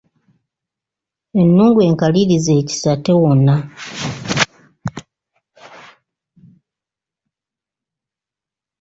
Ennungu enkalirize ekisa tewona.